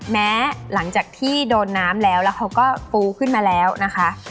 หลังจากที่โดนน้ำแล้วแล้วเขาก็ปูขึ้นมาแล้วนะคะ